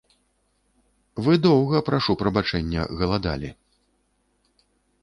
Вы доўга, прашу прабачэння, галадалі.